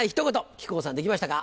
木久扇さんできましたか？